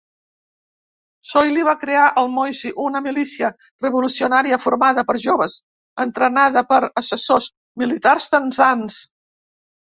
Soilih va crear el "moissy", una milícia revolucionària formada per joves entrenada per assessors militars tanzans.